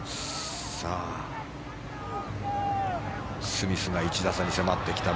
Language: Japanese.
スミスが１打差に迫ってきた。